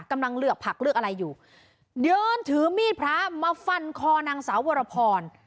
กำลังเลือกผักเลือกอะไรอยู่เดินถือมีดพระมาฟันคอนางสาววรพร